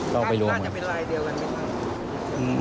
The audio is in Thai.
ก็ไปรู้มั้ยน่าจะเป็นรายเดียวกันไหมคะ